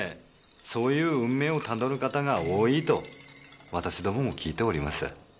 そういう運命をたどる方が多いと私どもも聞いております。